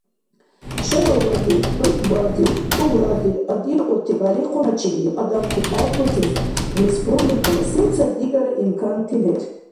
Шарубазир, хӀуркӀбазир, кӀувразир адилкьути бялихъуначибли адамти гӀеббуцес республикала сецад-дигара имканти лер.